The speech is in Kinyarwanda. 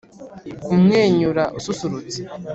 kumwenyura ususurutse